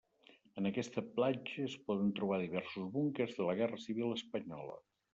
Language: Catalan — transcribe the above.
En aquesta platja es poden trobar diversos búnquers de la Guerra Civil Espanyola.